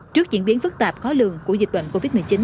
trước diễn biến phức tạp khó lường của dịch bệnh covid một mươi chín